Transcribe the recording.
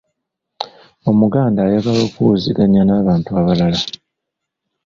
Omuganda ayagala okuwuliziganya n’abantu abalala.